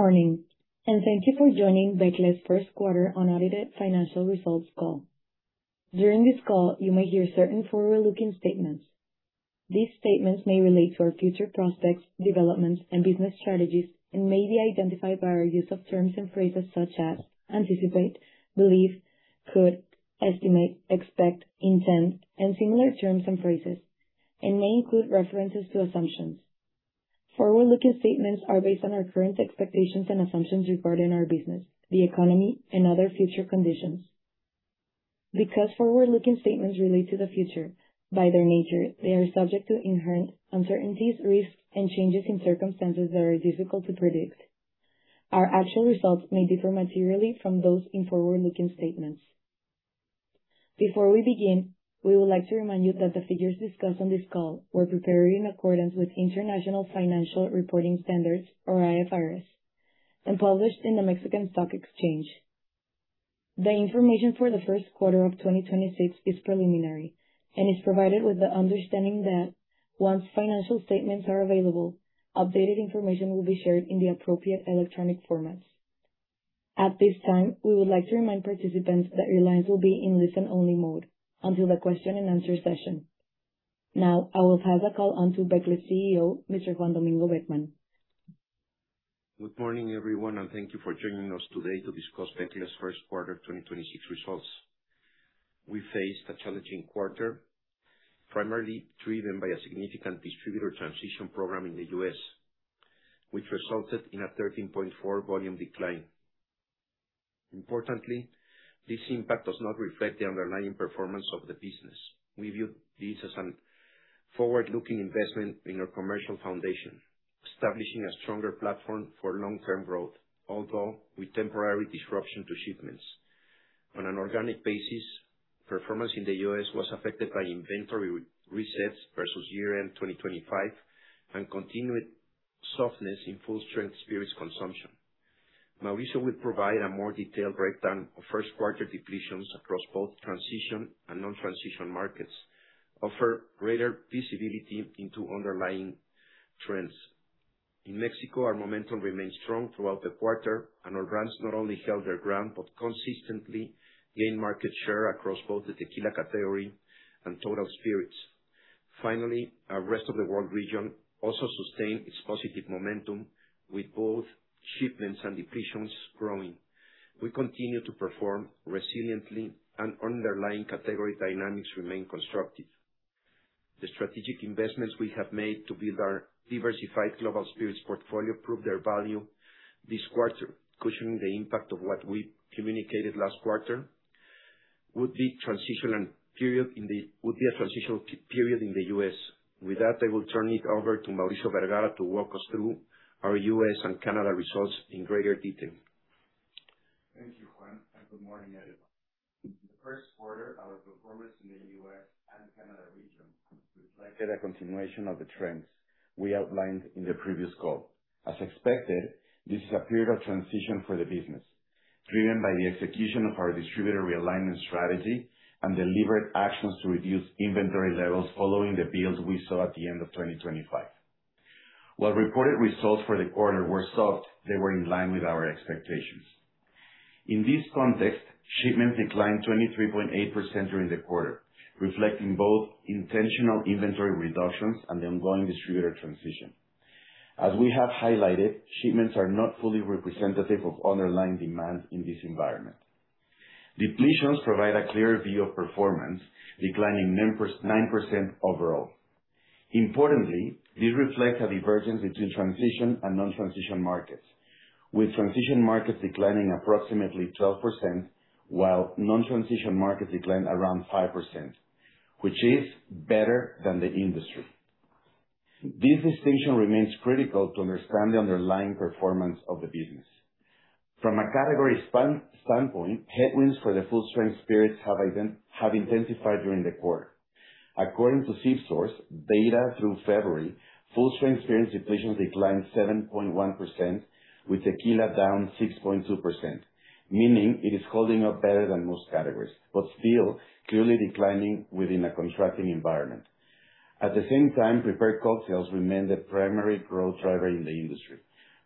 Good morning, and thank you for joining Becle's first quarter unaudited financial results call. During this call, you may hear certain forward-looking statements. These statements may relate to our future prospects, developments, and business strategies, and may be identified by our use of terms and phrases such as anticipate, believe, could, estimate, expect, intend, and similar terms and phrases, and may include references to assumptions. Forward-looking statements are based on our current expectations and assumptions regarding our business, the economy, and other future conditions. Because forward-looking statements relate to the future, by their nature, they are subject to inherent uncertainties, risks, and changes in circumstances that are difficult to predict. Our actual results may differ materially from those in forward-looking statements. Before we begin, we would like to remind you that the figures discussed on this call were prepared in accordance with International Financial Reporting Standards, or IFRS, and published in the Mexican Stock Exchange. The information for the 1st quarter of 2026 is preliminary and is provided with the understanding that once financial statements are available, updated information will be shared in the appropriate electronic formats. At this time, we would like to remind participants that your lines will be in listen-only mode until the question and answer session. Now, I will pass the call on to Becle's CEO, Mr. Juan Domingo Beckmann. Good morning, everyone, and thank you for joining us today to discuss Becle's first quarter 2026 results. We faced a challenging quarter, primarily driven by a significant distributor transition program in the U.S., which resulted in a 13.4 volume decline. Importantly, this impact does not reflect the underlying performance of the business. We view this as a forward-looking investment in our commercial foundation, establishing a stronger platform for long-term growth, although with temporary disruption to shipments. On an organic basis, performance in the U.S. was affected by inventory re-resets versus year-end 2025 and continued softness in full-strength spirits consumption. Mauricio will provide a more detailed breakdown of first quarter depletions across both transition and non-transition markets, offer greater visibility into underlying trends. In Mexico, our momentum remained strong throughout the quarter, and our brands not only held their ground, but consistently gained market share across both the tequila category and total spirits. Finally, our rest of the world region also sustained its positive momentum with both shipments and depletions growing. We continue to perform resiliently and underlying category dynamics remain constructive. The strategic investments we have made to build our diversified global spirits portfolio proved their value this quarter, cushioning the impact of what we communicated last quarter would be a transitional period in the U.S. With that, I will turn it over to Mauricio Vergara to walk us through our U.S. and Canada results in greater detail. Thank you, Juan, good morning, everyone. The first quarter, our performance in the U.S. and Canada region reflected a continuation of the trends we outlined in the previous call. As expected, this is a period of transition for the business, driven by the execution of our distributor realignment strategy and deliberate actions to reduce inventory levels following the builds we saw at the end of 2025. While reported results for the quarter were soft, they were in line with our expectations. In this context, shipments declined 23.8% during the quarter, reflecting both intentional inventory reductions and the ongoing distributor transition. As we have highlighted, shipments are not fully representative of underlying demand in this environment. Depletions provide a clearer view of performance, declining 9% overall. Importantly, this reflects a divergence between transition and non-transition markets, with transition markets declining approximately 12%, while non-transition markets declined around 5%, which is better than the industry. This distinction remains critical to understand the underlying performance of the business. From a category standpoint, headwinds for the full-strength spirits have intensified during the quarter. According to SipSource data through February, full-strength spirits depletion declined 7.1%, with tequila down 6.2%, meaning it is holding up better than most categories, but still clearly declining within a contracting environment. At the same time, prepared cocktails remain the primary growth driver in the industry,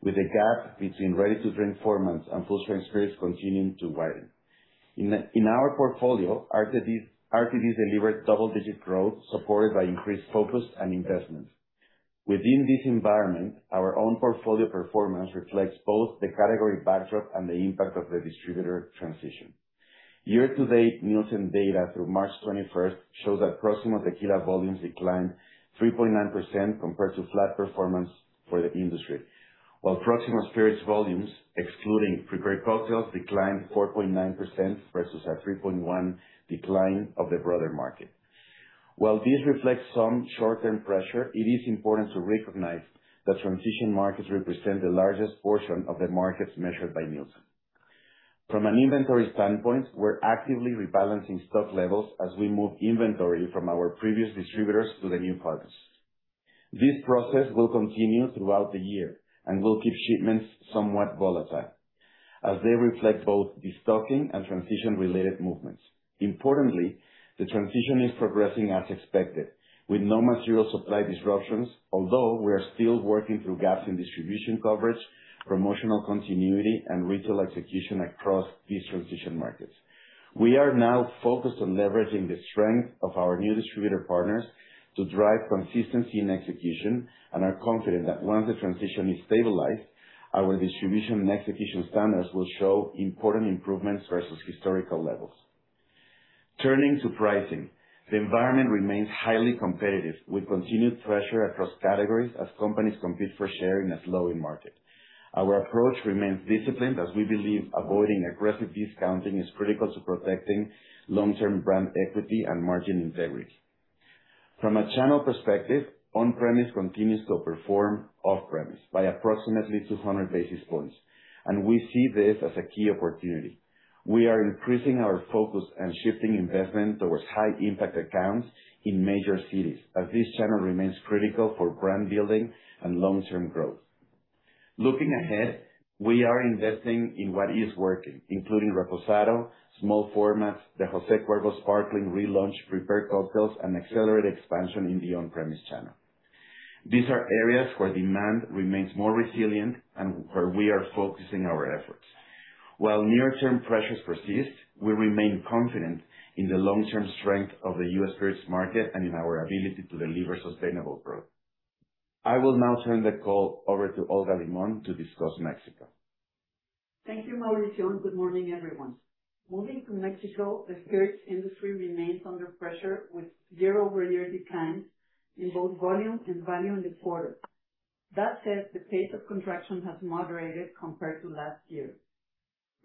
with a gap between ready-to-drink formats and full-strength spirits continuing to widen. In our portfolio, RTDs delivered double-digit growth supported by increased focus and investments. Within this environment, our own portfolio performance reflects both the category backdrop and the impact of the distributor transition. Year-to-date, Nielsen data through March 21st show that Proximo tequila volumes declined 3.9% compared to flat performance for the industry. While Proximo Spirits volumes, excluding prepared cocktails, declined 4.9% versus a 3.1% decline of the broader market. While this reflects some short-term pressure, it is important to recognize that transition markets represent the largest portion of the markets measured by Nielsen. From an inventory standpoint, we're actively rebalancing stock levels as we move inventory from our previous distributors to the new partners. This process will continue throughout the year and will keep shipments somewhat volatile as they reflect both destocking and transition related movements. Importantly, the transition is progressing as expected with no material supply disruptions, although we are still working through gaps in distribution coverage, promotional continuity and retail execution across these transition markets. We are now focused on leveraging the strength of our new distributor partners to drive consistency in execution and are confident that once the transition is stabilized, our distribution and execution standards will show important improvements versus historical levels. Turning to pricing, the environment remains highly competitive, with continued pressure across categories as companies compete for share in a slowing market. Our approach remains disciplined as we believe avoiding aggressive discounting is critical to protecting long-term brand equity and margin integrity. From a channel perspective, on-premise continues to outperform off-premise by approximately 200 basis points, and we see this as a key opportunity. We are increasing our focus and shifting investment towards high impact accounts in major cities as this channel remains critical for brand building and long-term growth. Looking ahead, we are investing in what is working, including Reposado, small formats, the Jose Cuervo Sparkling relaunch, prepared cocktails and accelerated expansion in the on-premise channel. These are areas where demand remains more resilient and where we are focusing our efforts. While near-term pressures persist, we remain confident in the long-term strength of the U.S. spirits market and in our ability to deliver sustainable growth. I will now turn the call over to Olga Limón to discuss Mexico. Thank you, Mauricio. Good morning, everyone. Moving to Mexico, the spirits industry remains under pressure with year-over-year declines in both volume and value in the quarter. That said, the pace of contraction has moderated compared to last year.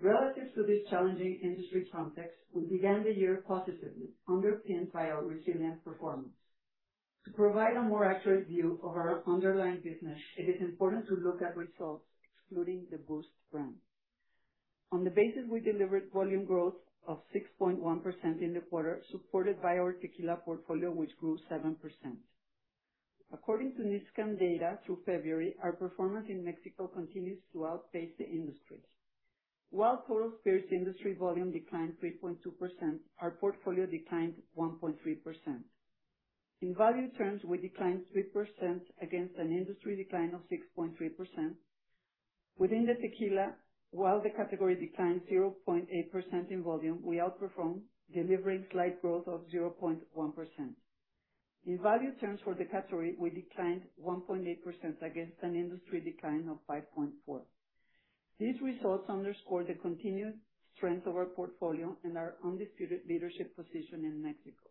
Relative to this challenging industry context, we began the year positively, underpinned by our resilient performance. To provide a more accurate view of our underlying business, it is important to look at results excluding the Boost brand. On the basis, we delivered volume growth of 6.1% in the quarter, supported by our tequila portfolio, which grew 7%. According to Nielsen data through February, our performance in Mexico continues to outpace the industry. While total spirits industry volume declined 3.2%, our portfolio declined 1.3%. In value terms, we declined 3% against an industry decline of 6.3%. Within the Tequila, while the category declined 0.8% in volume, we outperformed, delivering slight growth of 0.1%. In value terms for the category, we declined 1.8% against an industry decline of 5.4%. These results underscore the continued strength of our portfolio and our undisputed leadership position in Mexico.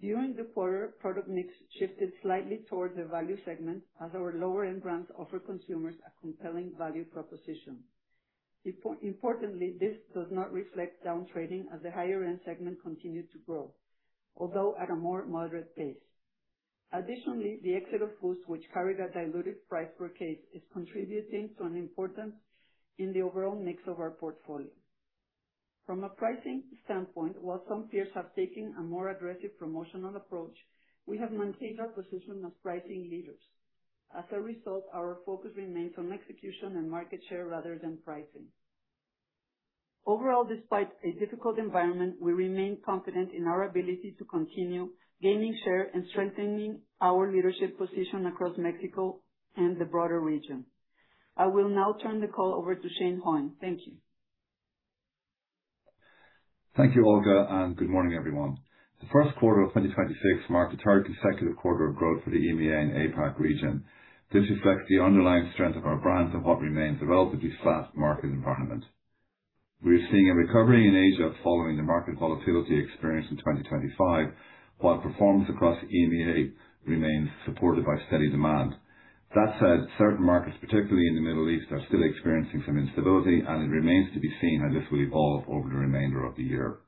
During the quarter, product mix shifted slightly towards the value segment as our lower end brands offer consumers a compelling value proposition. Importantly, this does not reflect downtrading as the higher end segment continued to grow, although at a more moderate pace. Additionally, the exit of Boost, which carried a diluted price per case, is contributing to an improvement in the overall mix of our portfolio. From a pricing standpoint, while some peers have taken a more aggressive promotional approach, we have maintained our position as pricing leaders. As a result, our focus remains on execution and market share rather than pricing. Overall, despite a difficult environment, we remain confident in our ability to continue gaining share and strengthening our leadership position across Mexico and the broader region. I will now turn the call over to Shane Hoyne. Thank you. Thank you, Olga. Good morning, everyone. The first quarter of 2026 marked the third consecutive quarter of growth for the EMEA and APAC region. This reflects the underlying strength of our brands and what remains a relatively flat market environment. We're seeing a recovery in Asia following the market volatility experienced in 2025, while performance across EMEA remains supported by steady demand. That said, certain markets, particularly in the Middle East, are still experiencing some instability, and it remains to be seen how this will evolve over the remainder of the year.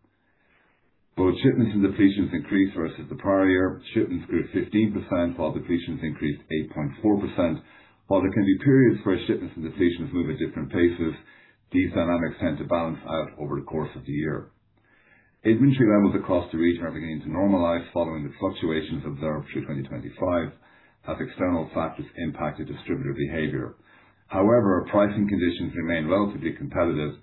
Both shipments and depletions increased versus the prior year. Shipments grew 15%, while depletions increased 8.4%. While there can be periods where shipments and depletions move at different paces, these dynamics tend to balance out over the course of the year. Inventory levels across the region are beginning to normalize following the fluctuations observed through 2025 as external factors impacted distributor behavior. Pricing conditions remain relatively competitive,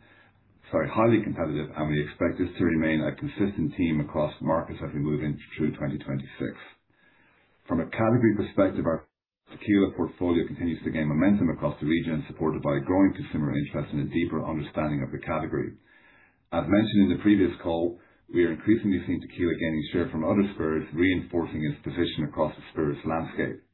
highly competitive, and we expect this to remain a consistent theme across markets as we move into 2026. From a category perspective, our Tequila portfolio continues to gain momentum across the region, supported by growing consumer interest and a deeper understanding of the category. As mentioned in the previous call, we are increasingly seeing Tequila gaining share from other spirits, reinforcing its position across the spirits landscape.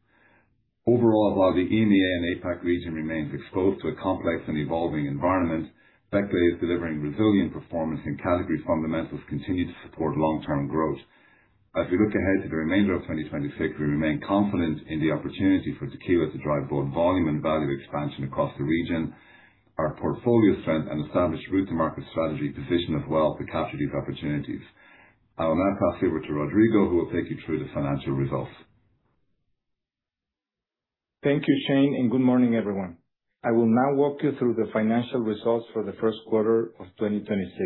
Overall, while the EMEA and APAC region remains exposed to a complex and evolving environment, Becle is delivering resilient performance and category fundamentals continue to support long-term growth. As we look ahead to the remainder of 2026, we remain confident in the opportunity for tequila to drive both volume and value expansion across the region. Our portfolio strength and established route to market strategy position us well to capture these opportunities. I will now pass you over to Rodrigo, who will take you through the financial results. Thank you, Shane. Good morning, everyone. I will now walk you through the financial results for the first quarter of 2026.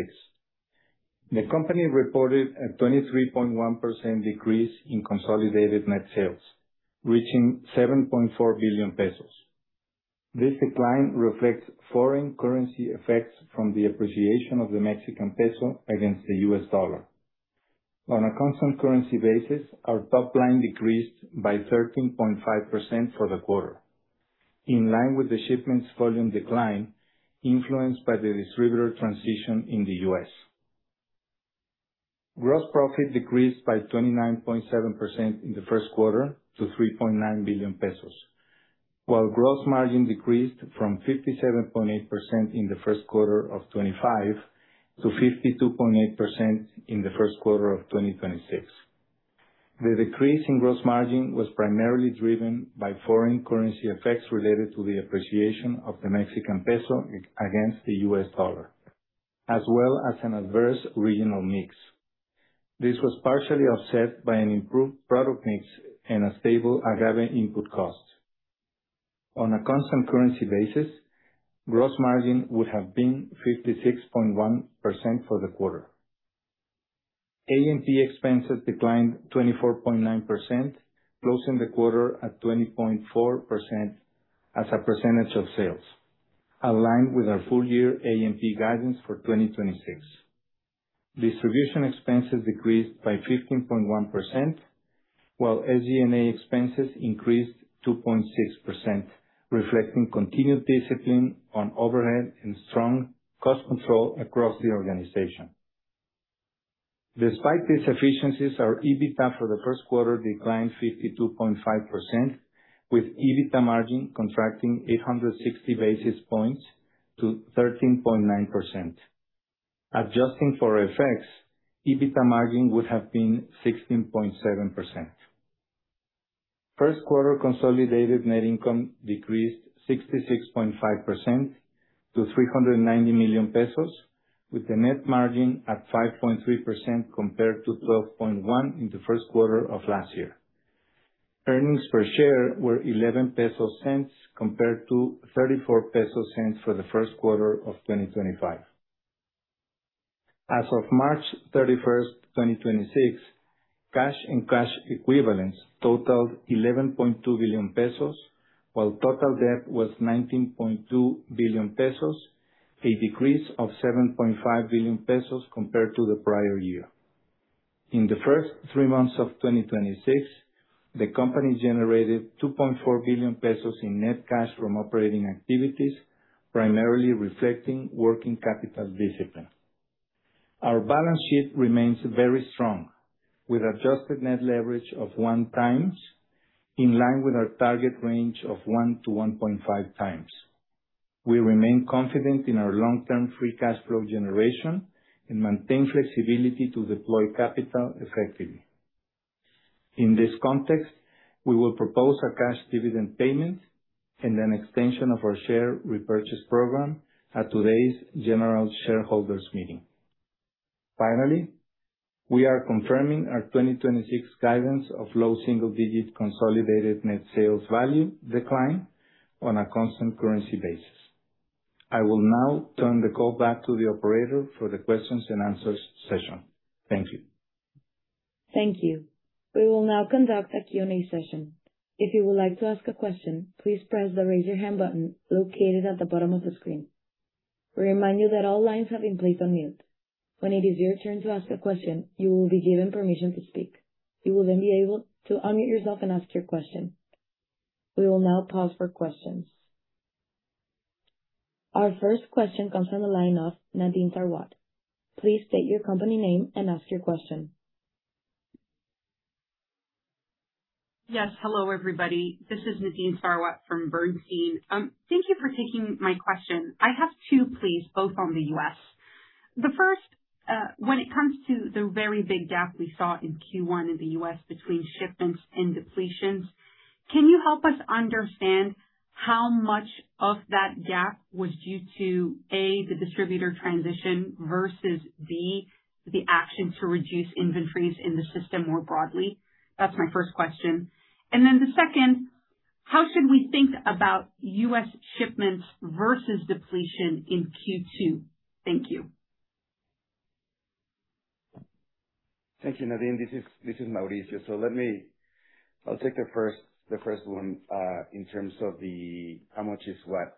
The company reported a 23.1% decrease in consolidated net sales, reaching 7.4 billion pesos. This decline reflects foreign currency effects from the appreciation of the Mexican peso against the U.S. dollar. On a constant currency basis, our top line decreased by 13.5% for the quarter, in line with the shipments volume decline influenced by the distributor transition in the U.S. Gross profit decreased by 29.7% in the first quarter to 3.9 billion pesos, while gross margin decreased from 57.8% in the first quarter of 2025 to 52.8% in the first quarter of 2026. The decrease in gross margin was primarily driven by foreign currency effects related to the appreciation of the Mexican peso against the U.S. dollar, as well as an adverse regional mix. This was partially offset by an improved product mix and a stable agave input cost. On a constant currency basis, gross margin would have been 56.1% for the quarter. A&P expenses declined 24.9%, closing the quarter at 20.4% as a percentage of sales, aligned with our full year A&P guidance for 2026. Distribution expenses decreased by 15.1%, while SG&A expenses increased 2.6%, reflecting continued discipline on overhead and strong cost control across the organization. Despite these efficiencies, our EBITDA for the first quarter declined 52.5%, with EBITDA margin contracting 860 basis points to 13.9%. Adjusting for FX, EBITDA margin would have been 16.7%. First quarter consolidated net income decreased 66.5% to 390 million pesos, with a net margin at 5.3% compared to 12.1% in the first quarter of last year. Earnings per share were 0.11 compared to 0.34 for the first quarter of 2025. As of March 31, 2026, cash and cash equivalents totaled 11.2 billion pesos, while total debt was 19.2 billion pesos, a decrease of 7.5 billion pesos compared to the prior year. In the first three months of 2026, the company generated 2.4 billion pesos in net cash from operating activities, primarily reflecting working capital discipline. Our balance sheet remains very strong, with adjusted net leverage of 1x, in line with our target range of 1-1.5x. We remain confident in our long-term free cash flow generation and maintain flexibility to deploy capital effectively. In this context, we will propose a cash dividend payment and an extension of our share repurchase program at today's general shareholders meeting. Finally, we are confirming our 2026 guidance of low single digit consolidated net sales value decline on a constant currency basis. I will now turn the call back to the operator for the questions and answers session. Thank you. Thank you. We will now conduct a Q&A session. If you would like to ask a question, please press the Raise Your Hand button located at the bottom of the screen. We remind you that all lines have been placed on mute. When it is your turn to ask a question, you will be given permission to speak. You will then be able to unmute yourself and ask your question. We will now pause for questions. Our first question comes from the line of Nadine Sarwat. Please state your company name and ask your question. Yes, hello, everybody. This is Nadine Sarwat from Bernstein. Thank you for taking my question. I have two, please, both on the U.S. The first, when it comes to the very big gap we saw in Q1 in the U.S. between shipments and depletions, can you help us understand how much of that gap was due to, A, the distributor transition versus, B, the action to reduce inventories in the system more broadly? That's my first question. The second, how should we think about U.S. shipments versus depletion in Q2? Thank you. Thank you, Nadine. This is Mauricio. I'll take the first one in terms of the how much is what.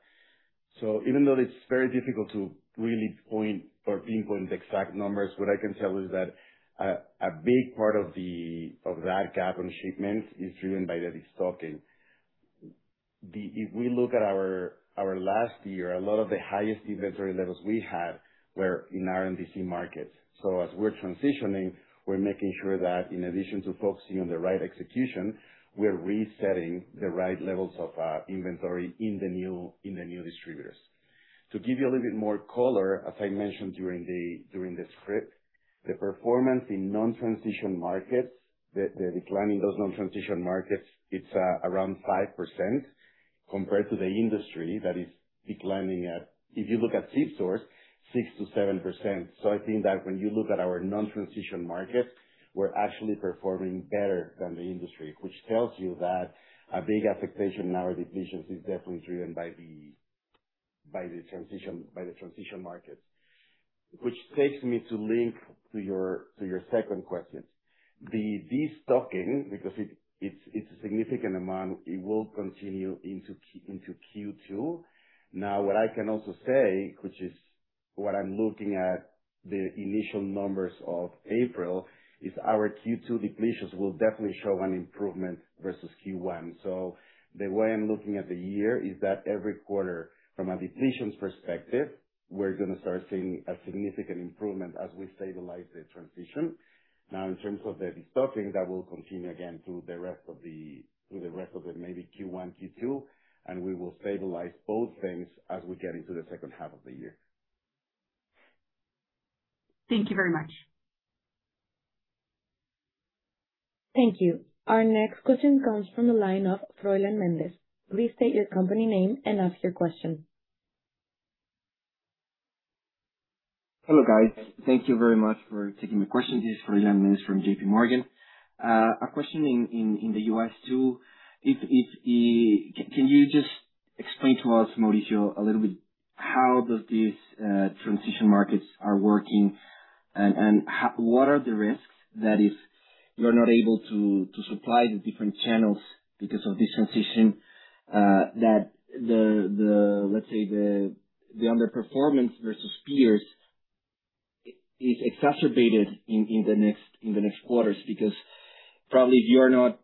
Even though it's very difficult to really point or pinpoint the exact numbers, what I can tell is that a big part of that gap in shipments is driven by the restocking. If we look at our last year, a lot of the highest inventory levels we had were in our MDC markets. As we're transitioning, we're making sure that in addition to focusing on the right execution, we're resetting the right levels of inventory in the new distributors. To give you a little bit more color, as I mentioned during the script, the performance in non-transition markets, the decline in those non-transition markets, it's around 5% compared to the industry that is declining at, if you look at SipSource, 6%-7%. I think that when you look at our non-transition markets, we're actually performing better than the industry, which tells you that a big affectation in our depletions is definitely driven by. The transition markets. Takes me to link to your second question. The destocking, because it's a significant amount, it will continue into Q2. What I can also say, which is what I'm looking at the initial numbers of April, is our Q2 depletions will definitely show an improvement versus Q1. The way I'm looking at the year is that every quarter, from a depletions perspective, we're gonna start seeing a significant improvement as we stabilize the transition. In terms of the destocking, that will continue again through the rest of the maybe Q1, Q2, and we will stabilize both things as we get into the H2 of the year. Thank you very much. Thank you. Our next question comes from the line of Fernando Froylan Mendez Solther. Please state your company name and ask your question. Hello, guys. Thank you very much for taking the question. This is Froylan Mendez from JPMorgan. A question in the U.S. too. Can you just explain to us, Mauricio, a little bit, how does these transition markets are working? What are the risks that if you're not able to supply the different channels because of this transition, that the, let's say, the underperformance versus peers is exacerbated in the next quarters? Probably if you're not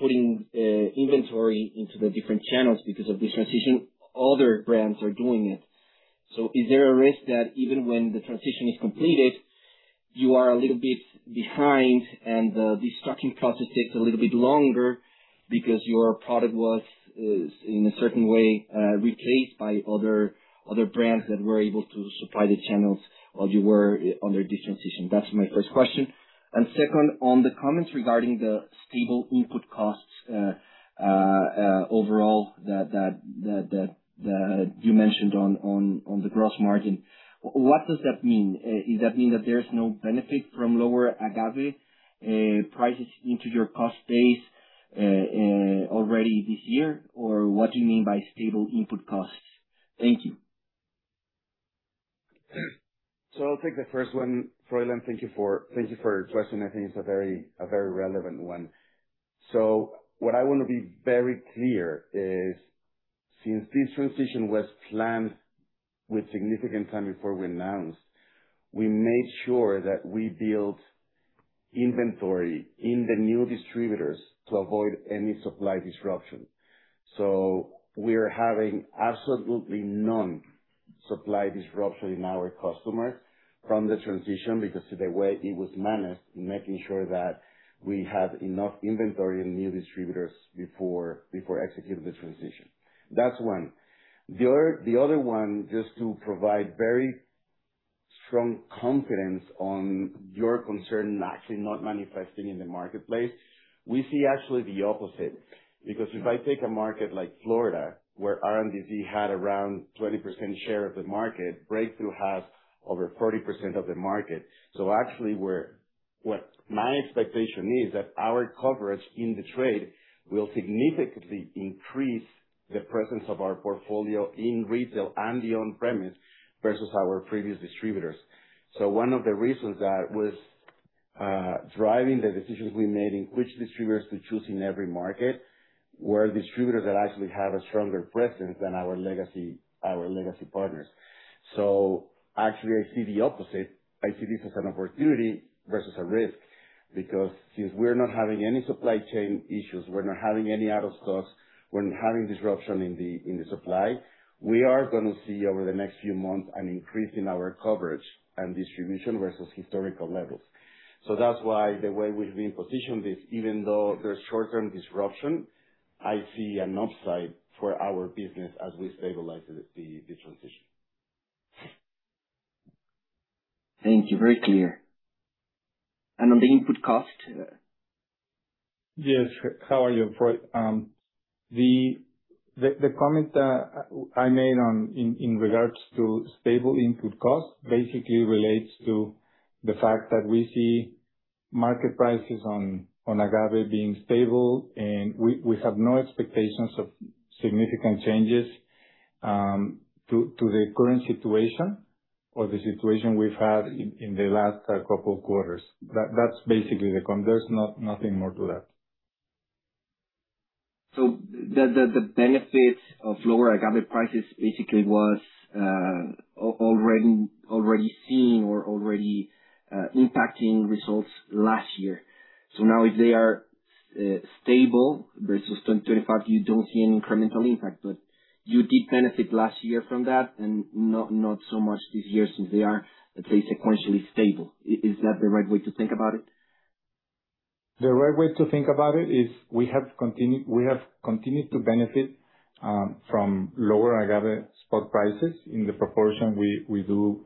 putting inventory into the different channels because of this transition, other brands are doing it. Is there a risk that even when the transition is completed, you are a little bit behind and the destocking process takes a little bit longer because your product was in a certain way replaced by other brands that were able to supply the channels while you were under this transition? That's my first question. Second, on the comments regarding the stable input costs overall, that you mentioned on the gross margin, what does that mean? Does that mean that there's no benefit from lower agave prices into your cost base already this year? Or what do you mean by stable input costs? Thank you. I'll take the first one, Froylan. Thank you for your question. I think it's a very relevant one. What I want to be very clear is, since this transition was planned with significant time before we announced, we made sure that we built inventory in the new distributors to avoid any supply disruption. We're having absolutely none supply disruption in our customers from the transition because of the way it was managed in making sure that we have enough inventory and new distributors before executing the transition. That's one. The other one, just to provide very strong confidence on your concern actually not manifesting in the marketplace, we see actually the opposite. If I take a market like Florida, where RNDC had around 20% share of the market, Breakthru has over 40% of the market. Actually, what my expectation is that our coverage in the trade will significantly increase the presence of our portfolio in retail and the on-premise versus our previous distributors. One of the reasons that was driving the decisions we made in which distributors to choose in every market were distributors that actually have a stronger presence than our legacy, our legacy partners. Actually, I see the opposite. I see this as an opportunity versus a risk, because since we're not having any supply chain issues, we're not having any out of stocks, we're not having disruption in the supply, we are gonna see over the next few months an increase in our coverage and distribution versus historical levels. That's why the way we've been positioned is even though there's short-term disruption, I see an upside for our business as we stabilize the transition. Thank you. Very clear. On the input cost? Yes. How are you, Froylan? The comment I made in regards to stable input costs basically relates to the fact that we see market prices on agave being stable, and we have no expectations of significant changes to the current situation or the situation we've had in the last couple quarters. That's basically the comment. There's nothing more to that. The benefit of lower agave prices basically was already seen or already impacting results last year. Now if they are stable versus 2025, you don't see any incremental impact, but you did benefit last year from that and not so much this year since they are, let's say, sequentially stable. Is that the right way to think about it? The right way to think about it is we have continued to benefit from lower agave spot prices in the proportion we do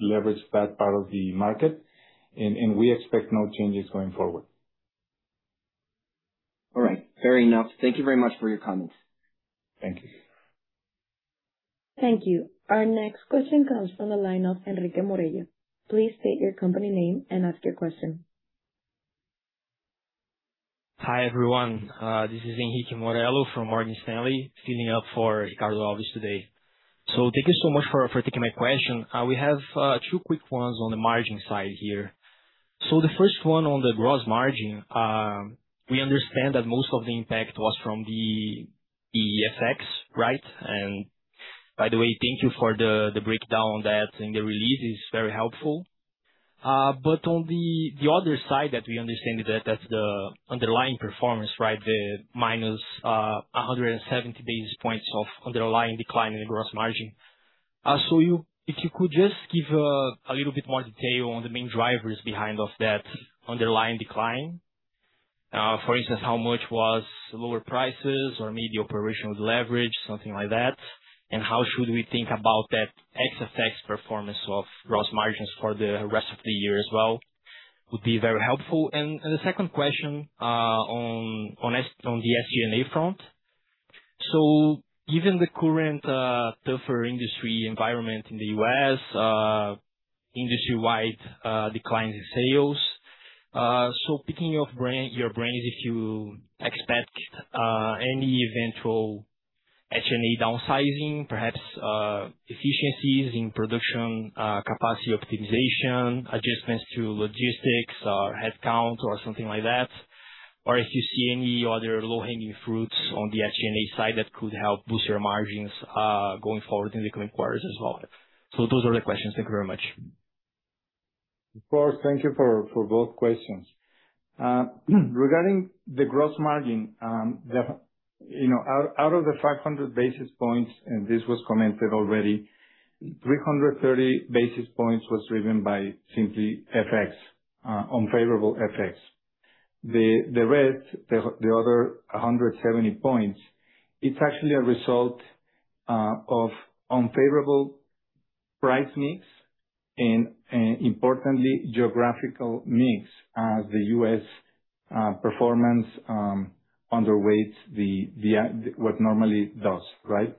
leverage that part of the market and we expect no changes going forward. All right. Fair enough. Thank you very much for your comments. Thank you. Thank you. Our next question comes from the line of Henrique Morello. Please state your company name and ask your question. Hi, everyone. This is Henrique Morello from Morgan Stanley, filling up for Ricardo Alves today. Thank you so much for taking my question. We have two quick ones on the margin side here. The first one on the gross margin, we understand that most of the impact was from the FX, right? By the way, thank you for the breakdown on that, and the release is very helpful. On the other side that we understand is that that's the underlying performance, right? The minus 170 basis points of underlying decline in gross margin. If you could just give a little bit more detail on the main drivers behind of that underlying decline. For instance, how much was lower prices or maybe operational leverage, something like that. How should we think about that ex FX performance of gross margins for the rest of the year as well, would be very helpful. The second question on the SG&A front. Given the current tougher industry environment in the U.S., industry-wide declines in sales, picking your brains if you expect any eventual SG&A downsizing, perhaps efficiencies in production, capacity optimization, adjustments to logistics or headcount or something like that. If you see any other low-hanging fruits on the SG&A side that could help boost your margins going forward in the coming quarters as well. Those are the questions. Thank you very much. Of course. Thank you for both questions. Regarding the gross margin, you know, out of the 500 basis points, and this was commented already, 330 basis points was driven by simply FX, unfavorable FX. The rest, the other 170 points, it's actually a result of unfavorable price mix and importantly, geographical mix as the U.S. performance underweights what normally it does, right?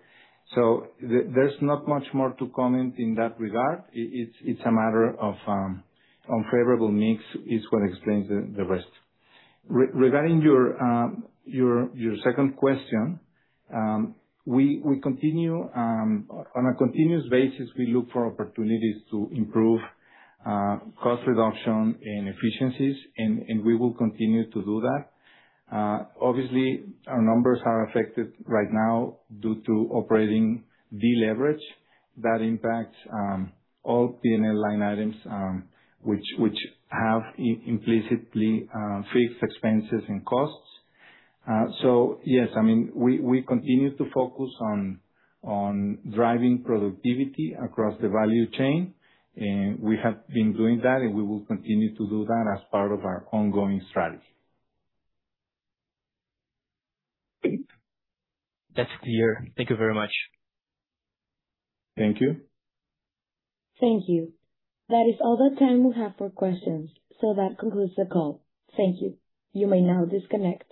There's not much more to comment in that regard. It's a matter of unfavorable mix is what explains the rest. Regarding your second question, we continue on a continuous basis, we look for opportunities to improve cost reduction and efficiencies and we will continue to do that. Obviously, our numbers are affected right now due to operating deleverage that impacts all P&L line items, which have implicitly fixed expenses and costs. Yes, I mean, we continue to focus on driving productivity across the value chain, and we have been doing that, and we will continue to do that as part of our ongoing strategy. That's clear. Thank you very much. Thank you. Thank you. That is all the time we have for questions, so that concludes the call. Thank you. You may now disconnect.